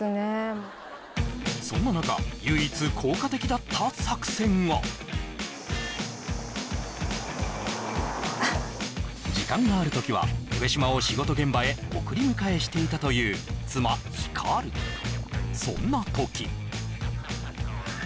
もうそんな中唯一効果的だった作戦が時間がある時は上島を仕事現場へ送り迎えしていたという妻・光そんな時あ